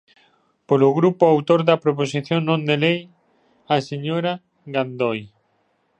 Polo grupo autor da proposición non de lei, a señora Gandoi.